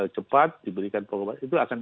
cepat diberikan pokok batas itu akan